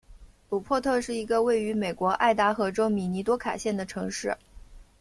鲁珀特是一个位于美国爱达荷州米尼多卡县的城市。